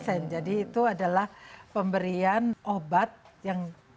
disebutnya jadi itu adalah pemberian obat yang